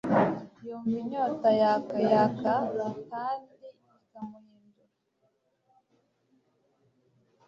yumva inyota yaka yaka kandi ikamuhindura